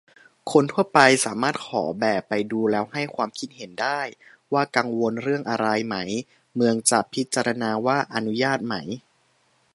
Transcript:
คนทั่วไปสามารถขอแบบไปดูแล้วให้ความคิดเห็นได้ ว่ากังวลเรื่องอะไรไหม เมืองจะพิจารณาว่าอนุญาตไหม